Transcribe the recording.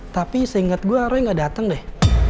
tapi seingat gue roy gak dateng deh